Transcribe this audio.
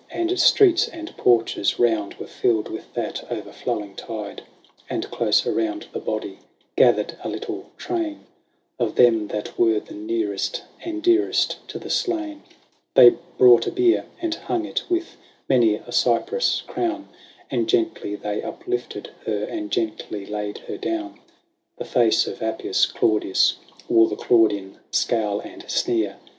And streets and porches round were filled with that o'erflowing tide ; And close around the body gathered a little train Of them that were the nearest and dearest to the slain. They brought a bier, and hung it with many a cypress crown, . And gently they uplifted her, and gently laid her down. The face of Appius Claudius wore the Claudian scowl and sneer.